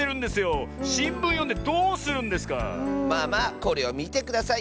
まあまあこれをみてください。